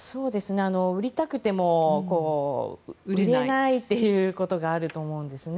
売りたくても売れないということがあると思うんですね。